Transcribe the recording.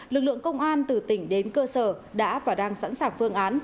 lực lượng công an từ tỉnh đến cơ sở đã và đang sẵn sàng phương án